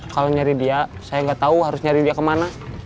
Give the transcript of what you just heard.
kalau nyari dia saya nggak tahu harus nyari dia kemana